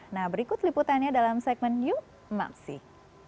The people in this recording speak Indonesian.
nah berikut liputannya dalam segmen new maksih